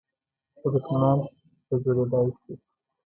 خو دښمنان په جوړېدای شي .